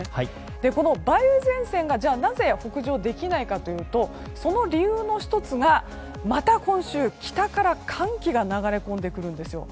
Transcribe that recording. この梅雨前線がなぜ北上できないかというとまた今週、北から寒気が流れ込んでくるんです。